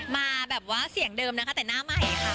มาแบบว่าเสียงเดิมนะคะแต่หน้าใหม่ค่ะ